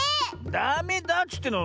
ダメだっつってんの！